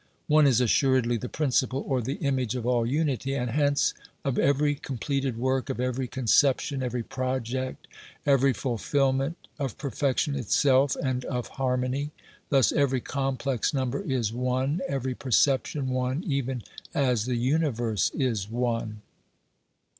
One is assuredly the principle or the image of all unity, and hence of every completed work, of every conception, every project, every fulfilment, of perfection itself, and of harmony. Thus, every complex number is one, every perception one, even as the universe is one.